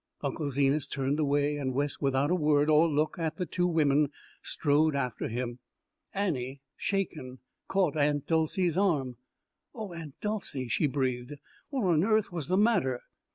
Unc' Zenas turned away and Wes, without a word or look at the two women, strode after him. Annie, shaken, caught Aunt Dolcey's arm. "Oh, Aunt Dolcey," she breathed, "what on earth was the matter?"